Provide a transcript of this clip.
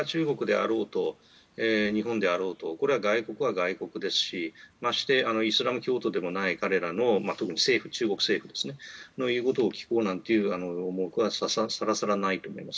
中国だろうと日本だろうと外国は外国ですしましてイスラム教徒でもない彼らが中国政府の言うことを聞こうなんていうことはさらさらないと思います。